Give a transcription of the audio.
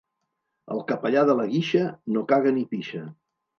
El capellà de la Guixa no caga ni pixa.